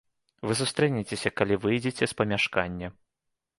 Вы сустрэнецеся, калі выйдзеце з памяшкання.